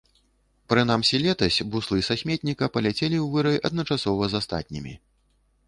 Прынамсі летась буслы са сметніка паляцелі ў вырай адначасова з астатнімі.